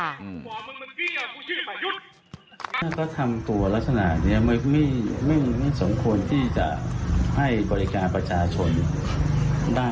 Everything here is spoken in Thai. ถ้าเขาก็ทำตัวราชนานี้ไม่ไม่ไม่ไม่สมควรที่จะให้บริการประชาชนค่ะ